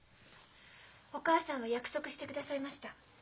お母さんは約束してくださいました。